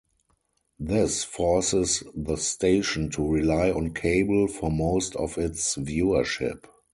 This forces the station to rely on cable for most of its viewership.